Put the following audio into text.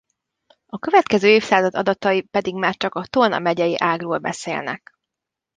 A következő évszázad adatai pedig már csak a Tolna megyei ágról beszélnek.